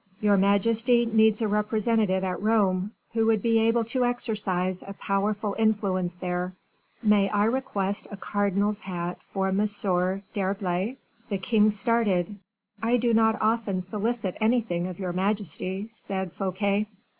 Your majesty needs a representative at Rome, who would be able to exercise a powerful influence there; may I request a cardinal's hat for M. d'Herblay?" The king started. "I do not often solicit anything of your majesty," said Fouquet.